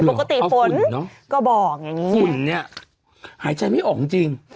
ปกติฝนก็บ่องฝนเนี่ยหายใจไม่ออกจริง